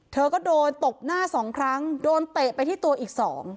เธอก็โดนตบหน้าสองครั้งโดนเตะไปที่ตัวอีก๒